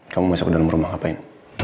kamu masih aku dalam rumah ngapain